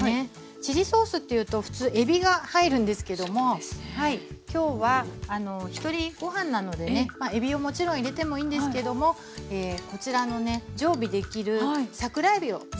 チリソースっていうと普通えびが入るんですけども今日はひとりごはんなのでねえびをもちろん入れてもいいんですけどもこちらのね常備できる桜えびを使います。